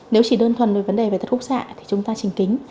nếu chỉ đơn thuần về vấn đề tật khúc xạ chúng ta chỉnh kính